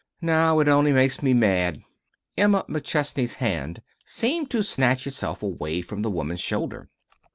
Now it only makes me mad." Emma McChesney's hand seemed to snatch itself away from the woman's shoulder.